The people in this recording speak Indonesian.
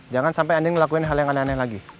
jangan sampai anda ngelakuin hal yang aneh aneh lagi